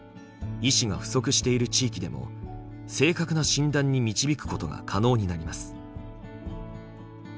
医師が不足している地域でも正確な診断に導くことが可能になります。